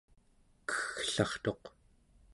kegglartuq